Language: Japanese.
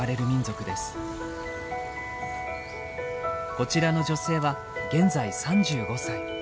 こちらの女性は現在３５歳。